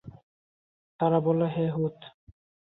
তারা বলল, হে হূদ!